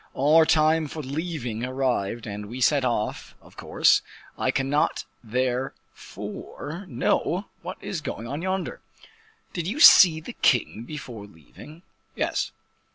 Our time for leaving arrived, and we set off, of course; I cannot, therefore, know what is going on yonder." "Did you see the king before leaving?" "Yes."